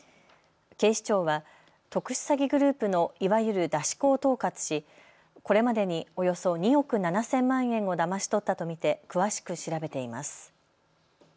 警視庁は特殊詐欺グループのいわゆる出し子を統括しこれまでにおよそ２億７０００万円をだまし取ったと見て詳しく調べています。